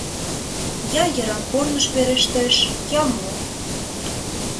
Я йыраҥ корныш верештеш, я мо.